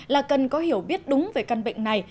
là cần có hiểu biết đúng về căn bệnh này